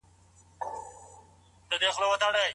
د کوچني خير په مقابل کي لوی خير انتخاب کړئ.